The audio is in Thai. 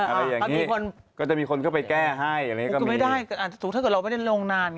อะไรอย่างนี้ก็จะมีคนเข้าไปแก้ให้อะไรอย่างนี้ก็มีก็ไม่ได้ถูกถ้าเกิดเราไม่ได้ลงนาน